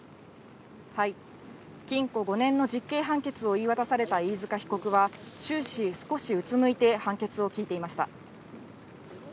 禁錮５年の実刑判決を言い渡された飯塚被告は、終始少しうつむいて、判決を聞いていました。